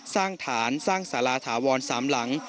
สร้างฐานสร้างสาราถาวร๓หลัง